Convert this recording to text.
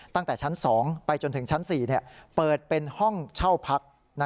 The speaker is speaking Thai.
ตั้งแต่ชั้น๒ไปจนถึงชั้น๔เปิดเป็นห้องเช่าพัก